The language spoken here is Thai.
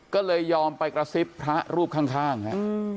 ก็เลยยอมไปกระซิบพระรูปข้างฮะ